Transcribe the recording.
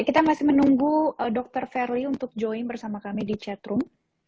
kita masih menunggu dr verly untuk join bersama kami di chatroom